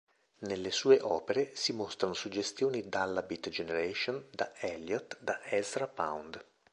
Nelle sue opere si mostrano suggestioni dalla Beat Generation, da Eliot, da Ezra Pound.